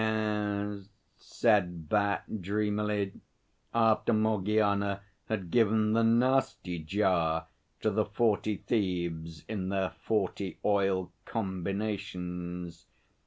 'Ye es,' said Bat dreamily, after Morgiana had given 'the nasty jar' to the Forty Thieves in their forty oil 'combinations.'